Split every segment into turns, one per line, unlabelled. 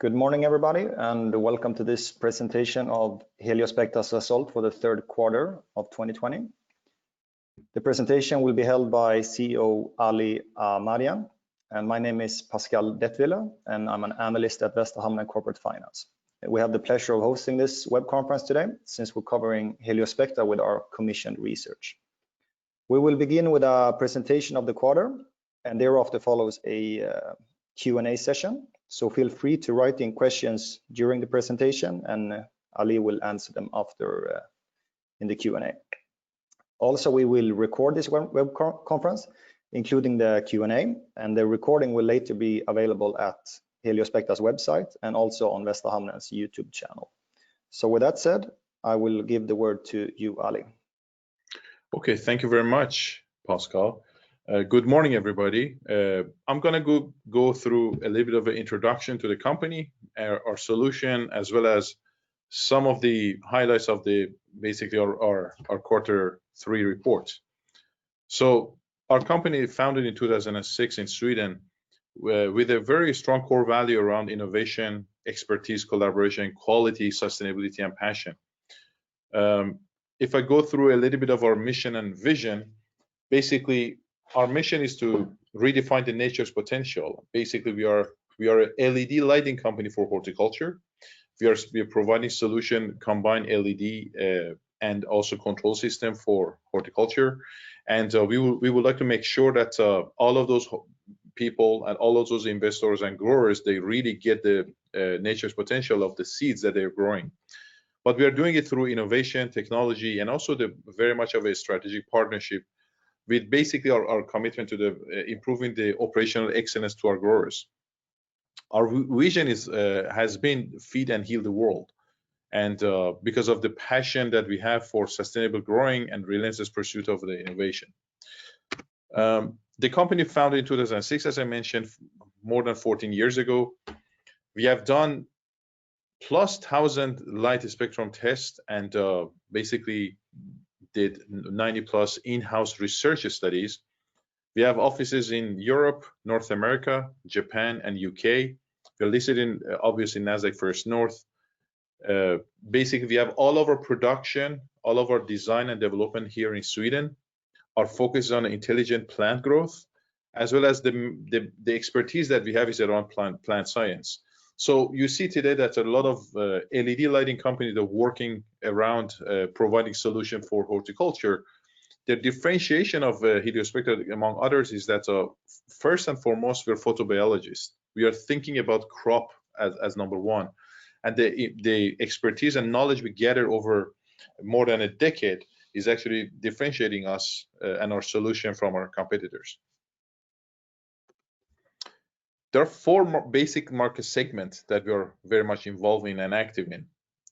Good morning, everybody, and welcome to this presentation of Heliospectra's result for the third quarter of 2020. The presentation will be held by CEO Ali Ahmadian, and my name is Pascal Dettwiler, and I'm an analyst at Västra Hamnen Corporate Finance. We have the pleasure of hosting this web conference today since we're covering Heliospectra with our commissioned research. We will begin with a presentation of the quarter and thereafter follows a Q&A session. Feel free to write in questions during the presentation and Ali will answer them after in the Q&A. Also, we will record this web conference, including the Q&A, and the recording will later be available at Heliospectra's website and also on Västra Hamnen's YouTube channel. With that said, I will give the word to you, Ali.
Thank you very much, Pascal. Good morning, everybody. I'm going to go through a little bit of an introduction to the company, our solution, as well as some of the highlights of basically our quarter three report. Our company founded in 2006 in Sweden with a very strong core value around innovation, expertise, collaboration, quality, sustainability, and passion. If I go through a little bit of our mission and vision, basically, our mission is to redefine the nature's potential. Basically, we are a LED lighting company for horticulture. We are providing solution, combined LED, and also control system for horticulture. We would like to make sure that all of those people and all of those investors and growers, they really get the nature's potential of the seeds that they're growing. We are doing it through innovation, technology, and also very much of a strategic partnership with our commitment to improving the operational excellence to our growers. Our vision has been feed and heal the world, and because of the passion that we have for sustainable growing and relentless pursuit of the innovation. The company founded in 2006, as I mentioned, more than 14 years ago. We have done 1,000 plus light spectrum tests and did 90 plus in-house research studies. We have offices in Europe, North America, Japan, and U.K. We're listed obviously in Nasdaq First North. We have all of our production, all of our design and development here in Sweden, are focused on intelligent plant growth as well as the expertise that we have is around plant science. You see today that a lot of LED lighting companies are working around providing solution for horticulture. The differentiation of Heliospectra among others is that first and foremost, we're photobiologists. We are thinking about crop as number one. The expertise and knowledge we gathered over more than a decade is actually differentiating us and our solution from our competitors. There are four basic market segments that we are very much involved in and active in.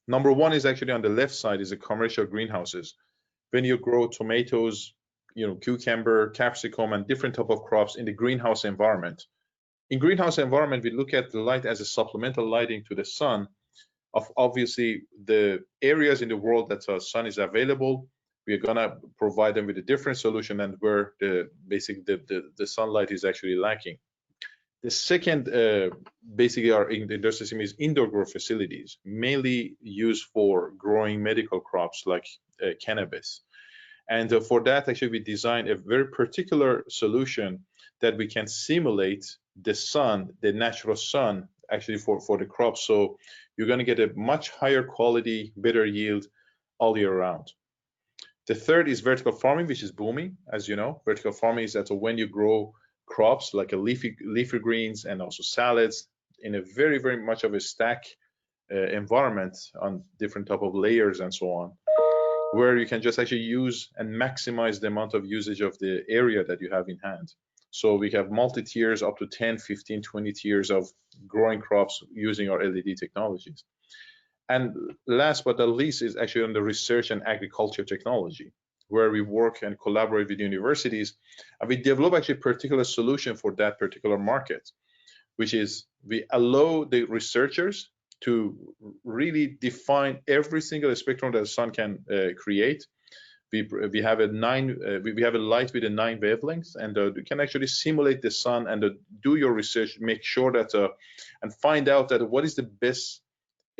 Number one is actually on the left side is the commercial greenhouses. When you grow tomatoes, cucumber, capsicum, and different type of crops in the greenhouse environment. In greenhouse environment, we look at the light as a supplemental lighting to the sun of obviously the areas in the world that sun is available, we're going to provide them with a different solution than where basically the sunlight is actually lacking. The second basically in the industry is indoor grow facilities, mainly used for growing medical crops like cannabis. For that, actually, we designed a very particular solution that we can simulate the sun, the natural sun actually for the crops. You're going to get a much higher quality, better yield all year round. The third is vertical farming, which is booming, as you know. Vertical farming is that when you grow crops like leafy greens and also salads in a very much of a stack environment on different type of layers and so on, where you can just actually use and maximize the amount of usage of the area that you have in hand. We have multi-tiers up to 10, 15, 20 tiers of growing crops using our LED technologies. Last but not least is actually on the research and agriculture technology, where we work and collaborate with universities. We develop actually a particular solution for that particular market, which is we allow the researchers to really define every single spectrum that the sun can create. We have a light with nine wavelengths, and we can actually simulate the sun and do your research, make sure that, and find out that what is the best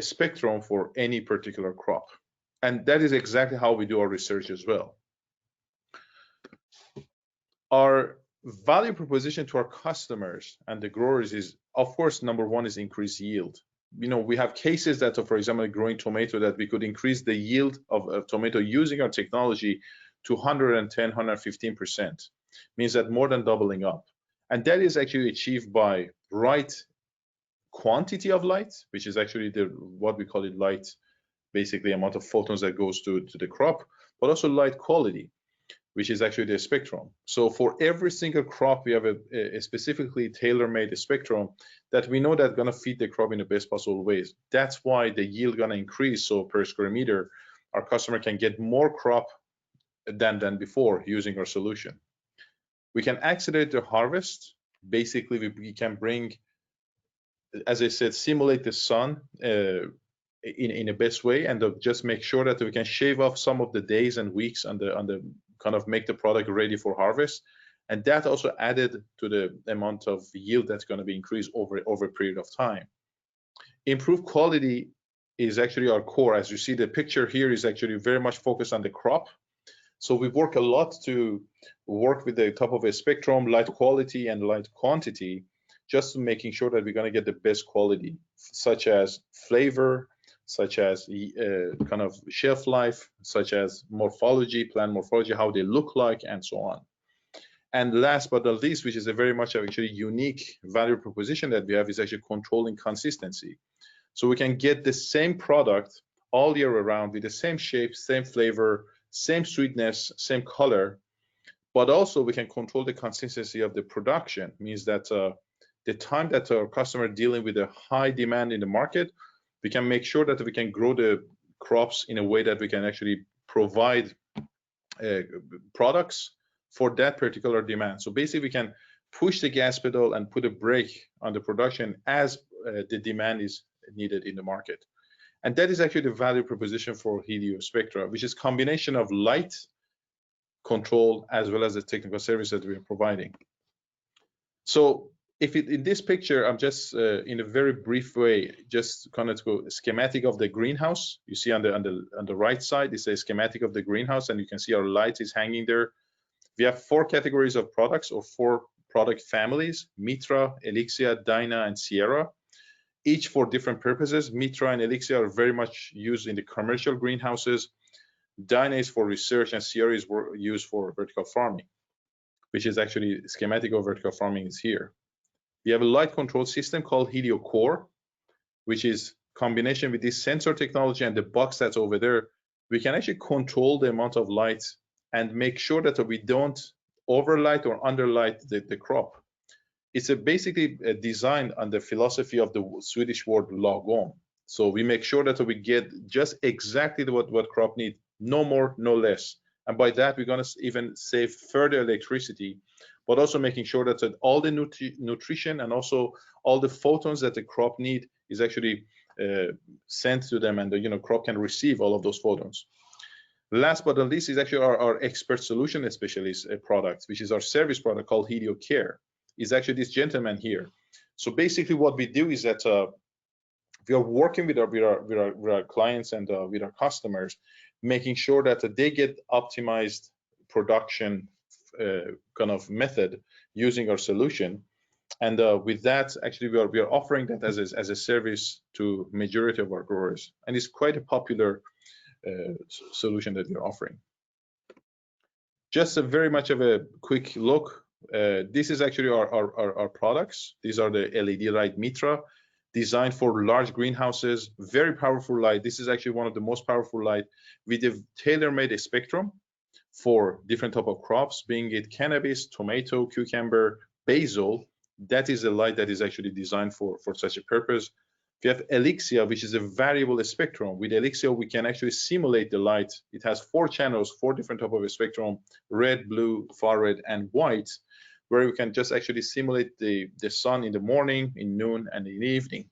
spectrum for any particular crop. That is exactly how we do our research as well. Our value proposition to our customers and the growers is, of course, number one is increased yield. We have cases that, for example, growing tomato, that we could increase the yield of a tomato using our technology to 110%, 115%, means that more than doubling up. That is actually achieved by right quantity of light, which is actually what we call light, basically amount of photons that goes to the crop, but also light quality, which is actually the spectrum. For every single crop, we have a specifically tailor-made spectrum that we know that going to feed the crop in the best possible ways. That's why the yield going to increase, so per square meter, our customer can get more crop than before using our solution. We can accelerate the harvest. Basically, as I said, simulate the sun in the best way and just make sure that we can shave off some of the days and weeks and make the product ready for harvest. That also added to the amount of yield that's going to be increased over a period of time. Improved quality is actually our core. As you see, the picture here is actually very much focused on the crop. We work a lot to work with the top of a spectrum, light quality and light quantity, just making sure that we're going to get the best quality, such as flavor, such as shelf life, such as morphology, plant morphology, how they look like, and so on. Last but not least, which is a very much actually unique value proposition that we have, is actually controlling consistency. We can get the same product all year around with the same shape, same flavor, same sweetness, same color. Also, we can control the consistency of the production. Means that the time that our customer dealing with a high demand in the market, we can make sure that we can grow the crops in a way that we can actually provide products for that particular demand. Basically, we can push the gas pedal and put a brake on the production as the demand is needed in the market. That is actually the value proposition for Heliospectra, which is combination of light control as well as the technical service that we're providing. In this picture, in a very brief way, just schematic of the greenhouse. You see on the right side is a schematic of the greenhouse, and you can see our light is hanging there. We have four categories of products or four product families, MITRA, ELIXIA, DYNA, and SIERA, each for different purposes. MITRA and ELIXIA are very much used in the commercial greenhouses. DYNA is for research, and SIERA is used for vertical farming, which is actually schematic of vertical farming is here. We have a light control system called helioCORE, which is combination with this sensor technology and the box that's over there. We can actually control the amount of light and make sure that we don't over-light or under-light the crop. It's basically designed on the philosophy of the Swedish word lagom. We make sure that we get just exactly what crop need, no more, no less. By that, we're going to even save further electricity, but also making sure that all the nutrition and also all the photons that the crop need is actually sent to them and the crop can receive all of those photons. Last but not least is actually our expert solution, especially products, which is our service product called helioCARE, is actually this gentleman here. Basically what we do is that we are working with our clients and with our customers, making sure that they get optimized production method using our solution. With that, actually, we are offering that as a service to majority of our growers, and it's quite a popular solution that we're offering. Just very much of a quick look. This is actually our products. These are the LED light MITRA, designed for large greenhouses. Very powerful light. This is actually one of the most powerful light. We have tailor-made a spectrum for different type of crops, being it cannabis, tomato, cucumber, basil. That is a light that is actually designed for such a purpose. We have ELIXIA, which is a variable spectrum. With ELIXIA, we can actually simulate the light. It has four channels, four different type of a spectrum, red, blue, far-red, and white, where we can just actually simulate the sun in the morning, in noon, and in evening.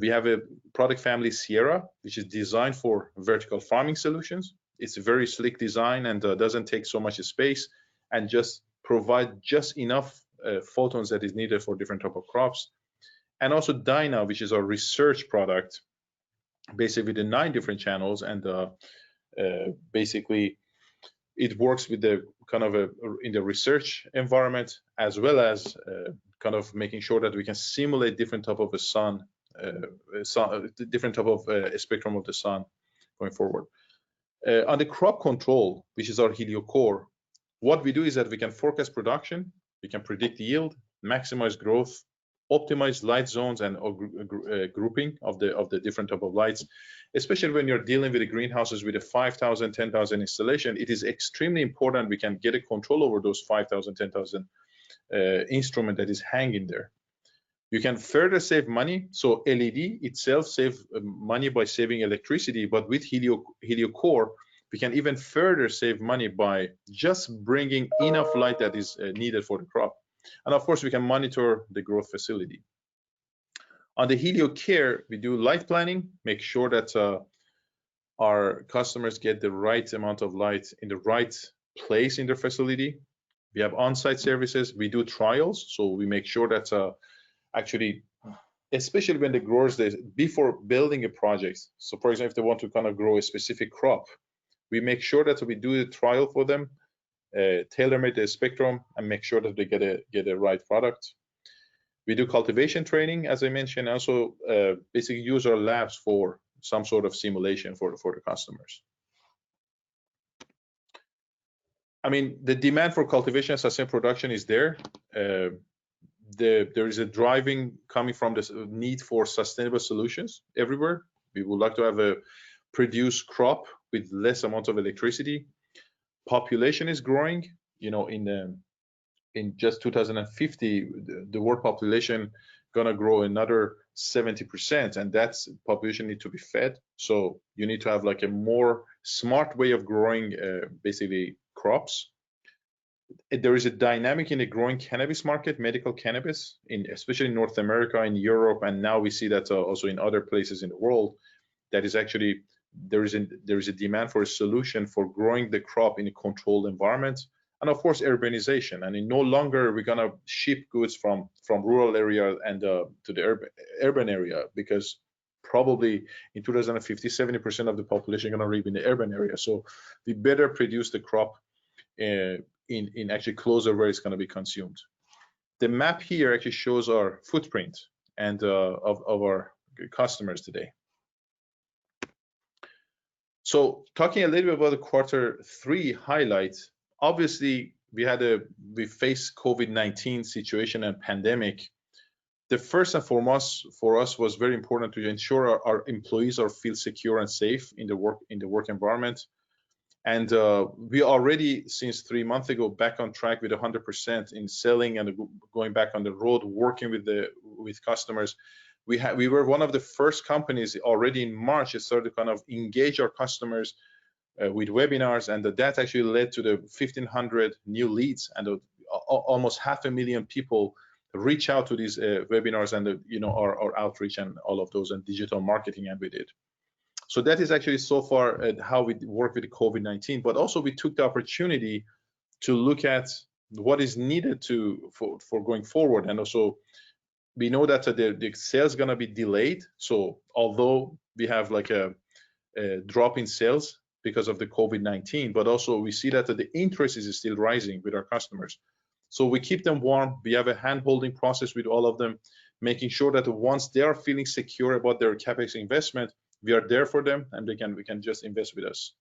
We have a product family, Sierra, which is designed for vertical farming solutions. It is a very slick design and doesn't take so much space and just provide just enough photons that is needed for different type of crops. Also DYNA, which is our research product, basically the nine different channels, and basically, it works in the research environment as well as making sure that we can simulate different type of a spectrum of the sun going forward. On the crop control, which is our helioCORE, what we do is that we can forecast production, we can predict yield, maximize growth, optimize light zones, and grouping of the different type of lights. Especially when you're dealing with greenhouses with a 5,000, 10,000 installation, it is extremely important we can get a control over those 5,000, 10,000 instrument that is hanging there. You can further save money. LED itself save money by saving electricity, but with helioCORE, we can even further save money by just bringing enough light that is needed for the crop. Of course, we can monitor the growth facility. On the helioCARE, we do light planning, make sure that our customers get the right amount of light in the right place in their facility. We have on-site services. We do trials, so we make sure that actually, especially when the growers, before building a project, so for example, if they want to grow a specific crop, we make sure that we do the trial for them, tailor-make the spectrum, and make sure that they get the right product. We do cultivation training, as I mentioned. Basically use our labs for some sort of simulation for the customers. The demand for cultivation and sustainable production is there. There is a driving coming from this need for sustainable solutions everywhere. We would like to have a produced crop with less amount of electricity. Population is growing. In just 2050, the world population going to grow another 70%, and that population need to be fed. You need to have a more smart way of growing, basically, crops. There is a dynamic in the growing cannabis market, medical cannabis, especially in North America and Europe, and now we see that also in other places in the world. There is a demand for a solution for growing the crop in a controlled environment, and of course, urbanization. No longer are we going to ship goods from rural area to the urban area, because probably in 2050, 70% of the population are going to live in the urban area, so we better produce the crop closer where it's going to be consumed. The map here actually shows our footprint of our customers today. Talking a little bit about the quarter three highlights, obviously, we faced COVID-19 situation and pandemic. The first and foremost for us was very important to ensure our employees feel secure and safe in the work environment. We already, since three months ago, back on track with 100% in selling and going back on the road, working with customers. We were one of the first companies already in March that started to engage our customers with webinars, and that actually led to the 1,500 new leads and almost half a million people reach out to these webinars and our outreach and all of those and digital marketing that we did. That is actually so far how we work with COVID-19, but also, we took the opportunity to look at what is needed for going forward. Also we know that the sale's going to be delayed, although we have a drop in sales because of the COVID-19, also we see that the interest is still rising with our customers. We keep them warm. We have a hand-holding process with all of them, making sure that once they are feeling secure about their CapEx investment, we are there for them, and they can just invest with us.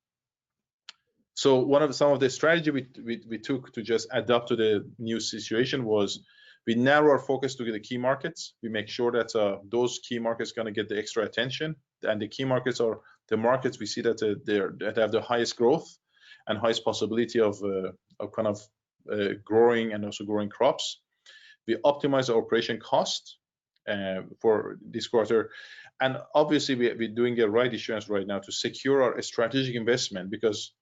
Some of the strategy we took to just adapt to the new situation was we narrow our focus to the key markets. We make sure that those key markets are going to get the extra attention. The key markets are the markets we see that they have the highest growth and highest possibility of growing and also growing crops. We optimize our operation cost for this quarter. Obviously, we're doing the rights issuance right now to secure our strategic investment because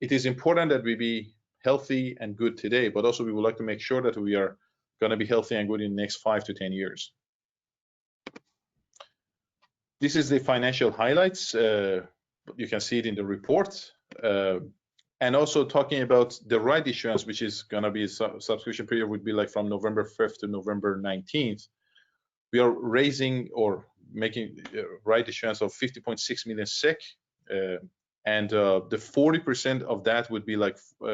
it is important that we be healthy and good today, but also, we would like to make sure that we are going to be healthy and good in the next five to 10 years. This is the financial highlights. You can see it in the report. Also talking about the rights issuance, which subscription period would be from November 5th to November 19th. We are raising or making rights issuance of 50.6 million SEK, and 40% of that would be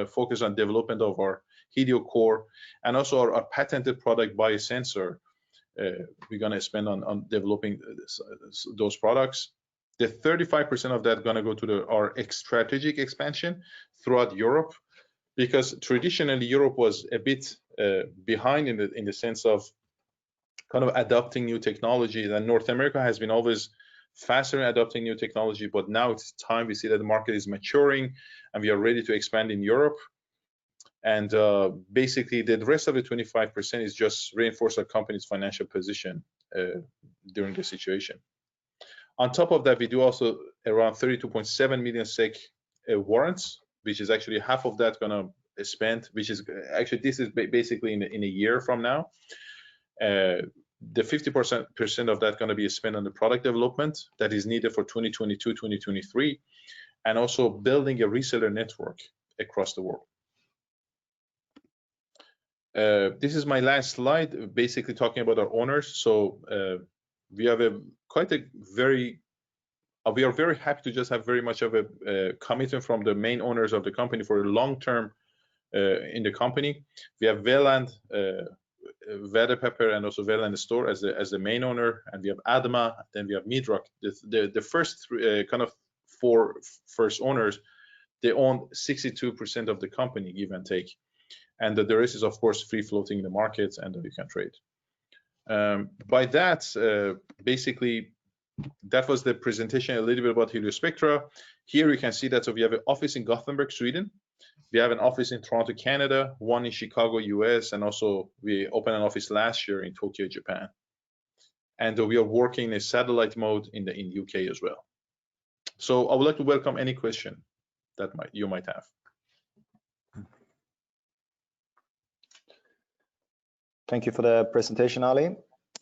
focused on development of our helioCORE and also our patented product biosensor. We're going to spend on developing those products. The 35% of that is going to go to our strategic expansion throughout Europe because traditionally, Europe was a bit behind in the sense of adopting new technology, that North America has been always faster in adopting new technology. Now it's time we see that the market is maturing, and we are ready to expand in Europe. Basically, the rest of the 25% is just reinforce our company's financial position during this situation. On top of that, we do also around 32.7 million SEK warrants, which is actually half of that going to spend, which is actually, this is basically in a year from now. The 50% of that is going to be spent on the product development that is needed for 2022, 2023, and also building a reseller network across the world. This is my last slide, basically talking about our owners. We are very happy to just have very much of a commitment from the main owners of the company for the long term in the company. We have Weland Värdepapper AB, and also Weland Stål AB as the main owner, and we have ADMA, then we have Midroc. The four first owners, they own 62% of the company, give and take. The rest is, of course, free-floating in the markets and we can trade. That was the presentation, a little bit about Heliospectra. You can see that we have an office in Gothenburg, Sweden. We have an office in Toronto, Canada, one in Chicago, U.S., and also we opened an office last year in Tokyo, Japan. We are working a satellite mode in U.K. as well. I would like to welcome any question that you might have.
Thank you for the presentation, Ali.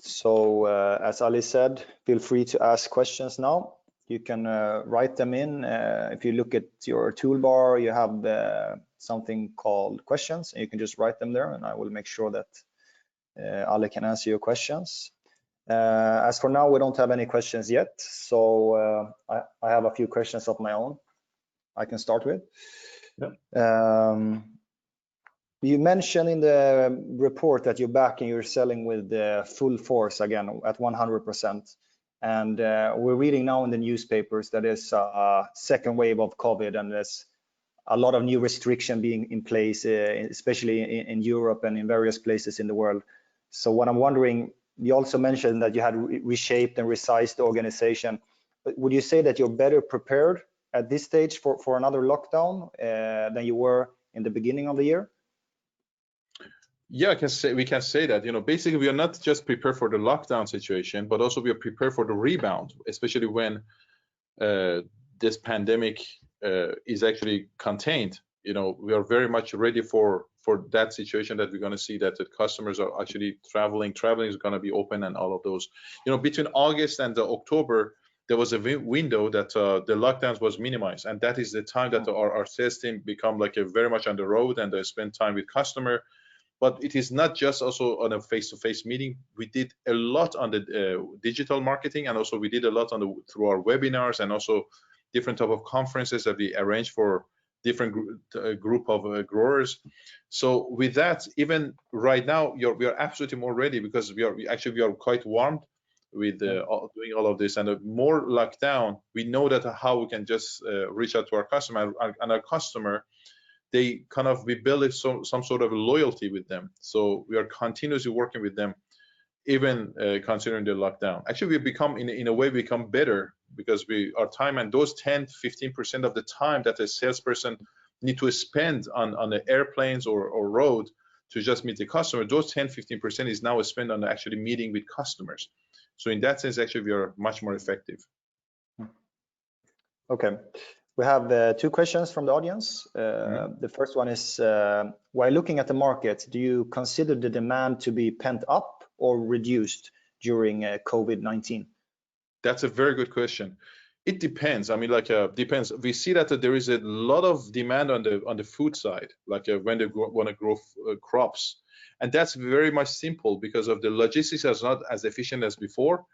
As Ali said, feel free to ask questions now. You can write them in. If you look at your toolbar, you have something called Questions, and you can just write them there, and I will make sure that Ali can answer your questions. As for now, we don't have any questions yet, I have a few questions of my own I can start with.
Yeah.
You mentioned in the report that you're back and you're selling with full force again at 100%. We're reading now in the newspapers there is a second wave of COVID, and there's a lot of new restriction being in place, especially in Europe and in various places in the world. What I'm wondering, you also mentioned that you had reshaped and resized the organization, would you say that you're better prepared at this stage for another lockdown than you were in the beginning of the year?
Yeah, we can say that. We are not just prepared for the lockdown situation, but also we are prepared for the rebound, especially when this COVID-19 is actually contained. We are very much ready for that situation that we're going to see that the customers are actually traveling is going to be open and all of those. Between August and October, there was a window that the lockdowns were minimized, and that is the time that our sales team became very much on the road, and they spent time with customers. It is not just also on a face-to-face meeting. We did a lot on the digital marketing, and also we did a lot through our webinars and also different types of conferences that we arranged for different groups of growers. With that, even right now, we are absolutely more ready because actually we are quite warmed with doing all of this. The more lockdown, we know that how we can just reach out to our customer. Our customer, we build some sort of loyalty with them. We are continuously working with them, even considering the lockdown. Actually, in a way, we become better because our time and those 10%, 15% of the time that a salesperson need to spend on the airplanes or road to just meet the customer, those 10%, 15% is now spent on actually meeting with customers. In that sense, actually, we are much more effective.
Okay. We have two questions from the audience. The first one is, while looking at the market, do you consider the demand to be pent up or reduced during COVID-19?
That's a very good question. It depends. We see that there is a lot of demand on the food side, like when they want to grow crops. That's very much simple because of the logistics is not as efficient as before.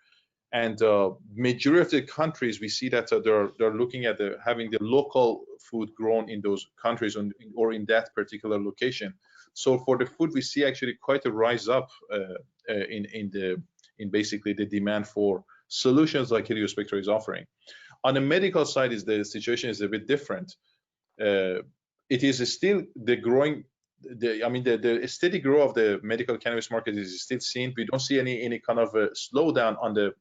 Majority of the countries, we see that they're looking at having the local food grown in those countries or in that particular location. For the food, we see actually quite a rise up in basically the demand for solutions like Heliospectra is offering. On the medical side, the situation is a bit different. The steady growth of the medical cannabis market is still seen. We don't see any kind of a slowdown on the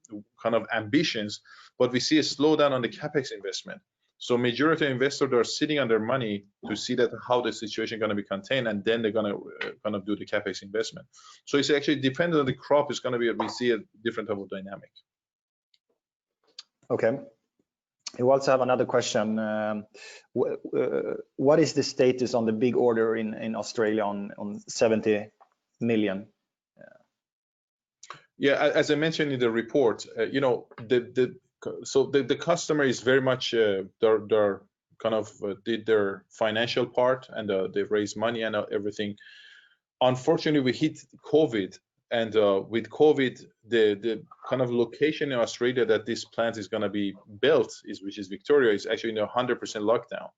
kind of ambitions, but we see a slowdown on the CapEx investment. Majority of investors are sitting on their money to see that how the situation going to be contained, and then they're going to do the CapEx investment. It's actually dependent on the crop is going to be, we see a different type of dynamic.
Okay. We also have another question. What is the status on the big order in Australia on 70 million?
Yeah, as I mentioned in the report, the customer did their financial part, and they've raised money and everything. Unfortunately, we hit COVID, and with COVID, the kind of location in Australia that this plant is going to be built, which is Victoria, is actually now 100% lockdown.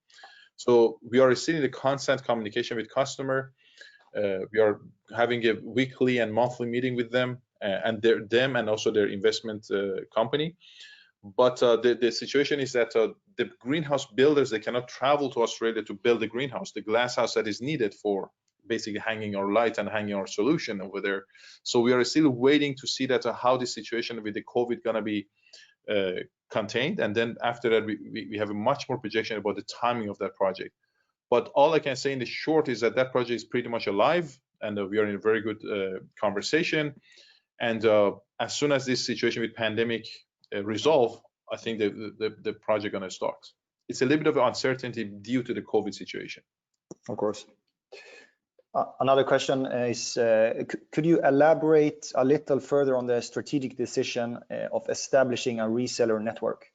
We are still in the constant communication with customer. We are having a weekly and monthly meeting with them, and also their investment company. The situation is that the greenhouse builders, they cannot travel to Australia to build a greenhouse, the glasshouse that is needed for basically hanging our light and hanging our solution over there. We are still waiting to see that how the situation with the COVID going to be contained, and then after that, we have a much more projection about the timing of that project. All I can say in the short is that that project is pretty much alive and that we are in a very good conversation. As soon as this situation with pandemic resolve, I think the project going to start. It's a little bit of uncertainty due to the COVID situation.
Of course. Another question is, could you elaborate a little further on the strategic decision of establishing a reseller network?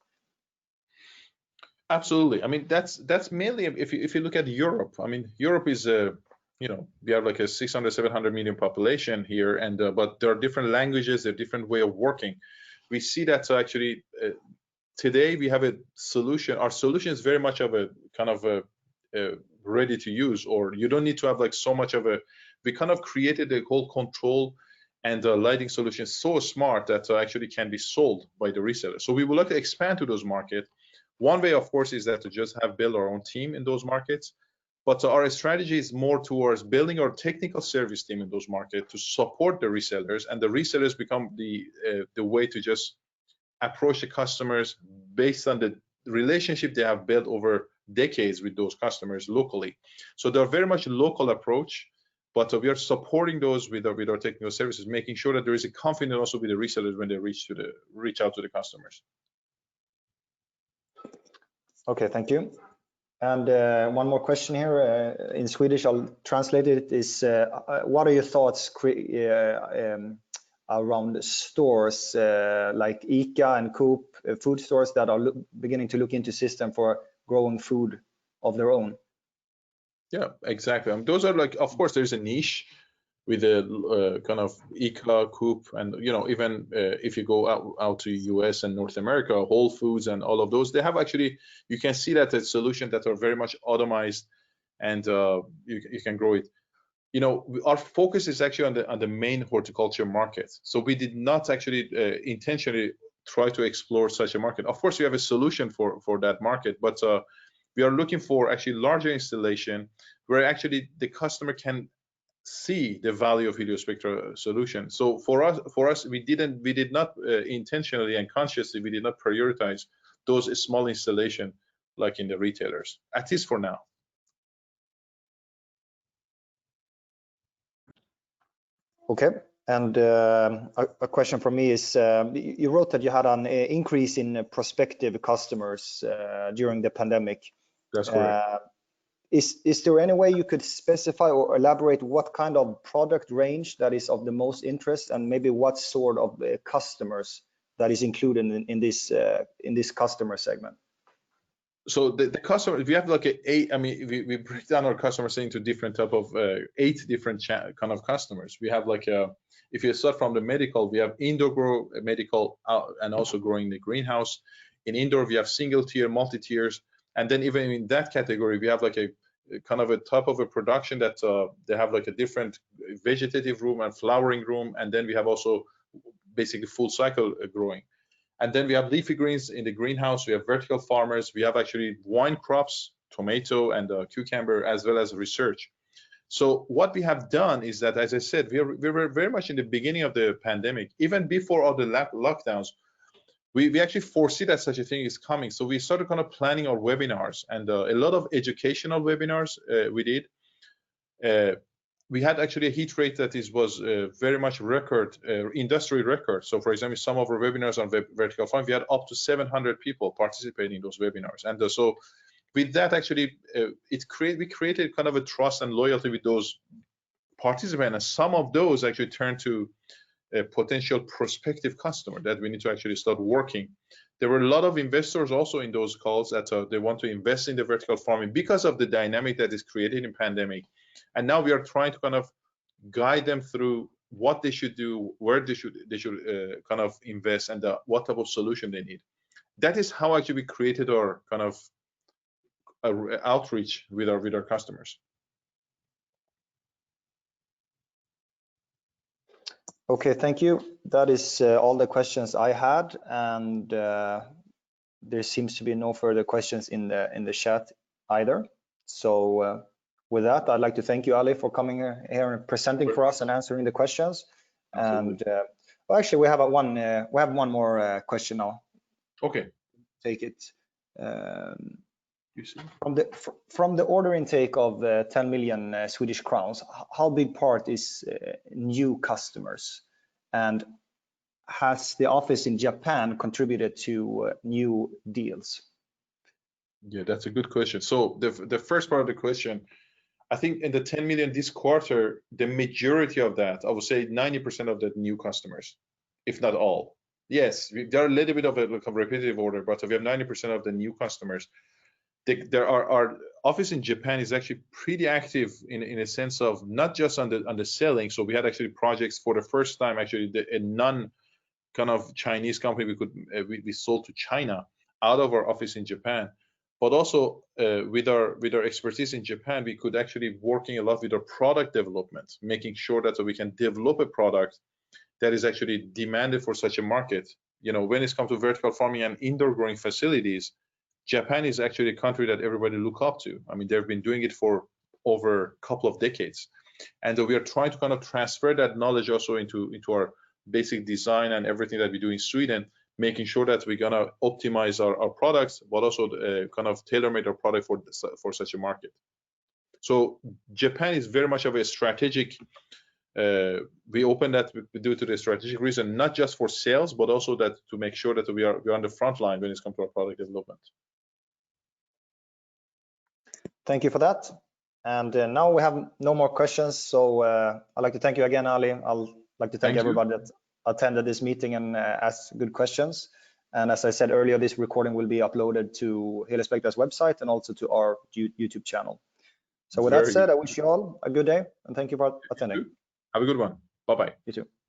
Absolutely. If you look at Europe, we have like a 600, 700 million population here. There are different languages, a different way of working. We see that actually today our solution is very much ready to use. We kind of created a whole control and a lighting solution so smart that actually can be sold by the reseller. We would like to expand to those markets. One way, of course, is that to just have build our own team in those markets. Our strategy is more towards building our technical service team in those markets to support the resellers. The resellers become the way to just approach the customers based on the relationship they have built over decades with those customers locally. They're very much local approach, but we are supporting those with our technical services, making sure that there is a confidence also with the resellers when they reach out to the customers.
Okay, thank you. One more question here in Swedish, I'll translate it. What are your thoughts around stores like ICA and Coop, food stores that are beginning to look into system for growing food of their own?
Yeah, exactly. Of course, there's a niche with ICA, Coop, and even if you go out to U.S. and North America, Whole Foods and all of those, you can see that there's solution that are very much automized and you can grow it. Our focus is actually on the main horticulture market. We did not actually intentionally try to explore such a market. Of course, we have a solution for that market, but we are looking for actually larger installation where actually the customer can see the value of Heliospectra solution. For us, intentionally and consciously, we did not prioritize those small installations, like in the retailers, at least for now.
Okay. A question from me is, you wrote that you had an increase in prospective customers during the pandemic.
That's correct.
Is there any way you could specify or elaborate what kind of product range that is of the most interest and maybe what sort of customers that is included in this customer segment?
The customer, we break down our customer base into eight different kinds of customers. If you start from the medical, we have indoor medical and also growing the greenhouse. In indoor, we have single tier, multi tiers, even in that category, we have a type of a production that they have a different vegetative room and flowering room, we have also basically full cycle growing. We have leafy greens in the greenhouse. We have vertical farmers. We have actually wine crops, tomato, and cucumber, as well as research. What we have done is that, as I said, we were very much in the beginning of the pandemic, even before all the lockdowns, we actually foresee that such a thing is coming. we started planning our webinars and a lot of educational webinars we did. We had actually a hit rate that was very much industry record. For example, some of our webinars on vertical farming, we had up to 700 people participating in those webinars. With that, actually, we created a trust and loyalty with those participants. Some of those actually turned to potential prospective customer that we need to actually start working. There were a lot of investors also in those calls that they want to invest in the vertical farming because of the dynamic that is created in pandemic. Now we are trying to guide them through what they should do, where they should invest, and what type of solution they need. That is how actually we created our outreach with our customers.
Okay. Thank you. That is all the questions I had, and there seems to be no further questions in the chat either. With that, I'd like to thank you, Ali, for coming here and presenting for us and answering the questions.
Absolutely.
Well, actually, we have one more question.
Okay
take it.
Yes.
From the order intake of 10 million Swedish crowns, how big part is new customers? Has the office in Japan contributed to new deals?
Yeah, that's a good question. The first part of the question, I think in the 10 million this quarter, the majority of that, I would say 90% of the new customers, if not all. Yes, there are a little bit of a repetitive order, but we have 90% of the new customers. Our office in Japan is actually pretty active in a sense of not just on the selling. We had actually projects for the first time, actually, a non-Chinese company we sold to China out of our office in Japan. Also, with our expertise in Japan, we could actually working a lot with our product developments, making sure that we can develop a product that is actually demanded for such a market. When it comes to vertical farming and indoor growing facilities, Japan is actually a country that everybody look up to. They've been doing it for over a couple of decades. We are trying to transfer that knowledge also into our basic design and everything that we do in Sweden, making sure that we're going to optimize our products, but also tailor-made our product for such a market. Japan is very much of a strategic. We opened that due to the strategic reason, not just for sales, but also to make sure that we are on the front line when it comes to our product development.
Thank you for that. Now we have no more questions. I'd like to thank you again, Ali. I'd like to thank everybody.
Thank you.
that attended this meeting and asked good questions. As I said earlier, this recording will be uploaded to Heliospectra's website and also to our YouTube channel.
Very good.
With that said, I wish you all a good day, and thank you for attending.
Have a good one. Bye bye.
You too. Bye.